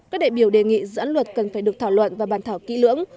các đại biểu đề nghị dự án luật cần phải được thảo luận và bàn thảo kỹ lưỡng